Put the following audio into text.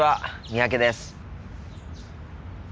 三宅です。